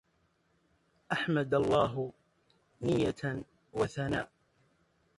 أحمد الله نية وثناء